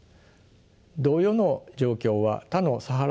同様の状況は他のサハラ